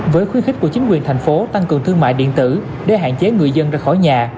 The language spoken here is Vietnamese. với khuyến khích của chính quyền thành phố tăng cường thương mại điện tử để hạn chế người dân ra khỏi nhà